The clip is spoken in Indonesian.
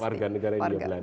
warga negara india belanda